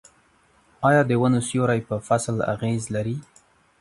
آیا د ونو سیوری په فصل اغیز لري؟